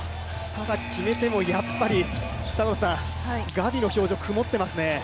ただ決めてもやっぱり、ガビの表情曇ってますね。